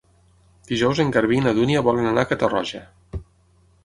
Dijous en Garbí i na Dúnia volen anar a Catarroja.